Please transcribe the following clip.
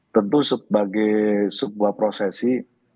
tentu sebagai sebuah prosesi